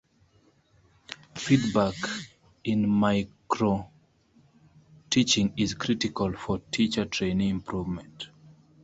Feedback in micro-teaching is critical for teacher-trainee improvement.